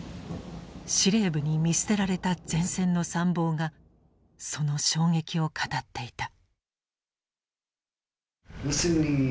司令部に見捨てられた前線の参謀がその衝撃を語っていた。